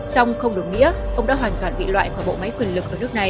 song không đồng nghĩa ông đã hoàn toàn bị loại khỏi bộ máy quyền lực ở nước này